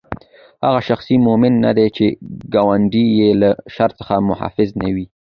هغه شخص مؤمن نه دی، چې ګاونډی ئي له شر څخه محفوظ نه وي